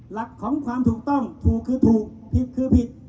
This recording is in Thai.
หลักของความถูกต้องถูกคือถูกผิดคือผิด